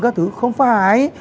các thứ không phải